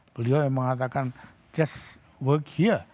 beliau yang mengatakan just work here